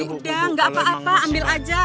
udah gak apa apa ambil aja